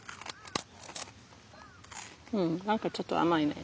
うん何かちょっと甘いね。